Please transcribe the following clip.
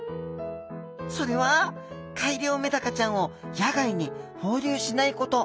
それは改良メダカちゃんを野外に放流しないこと。